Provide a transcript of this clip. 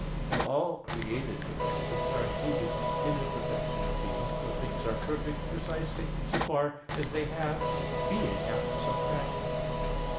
Now all created perfections are included in the perfection of being; for things are perfect, precisely so far as they have being after some fashion.